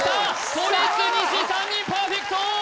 都立西３人パーフェクト！